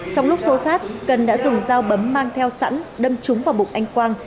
trong lúc xô sát cần đã dùng dao bấm mang theo sẵn đâm trúng vào bụng anh quang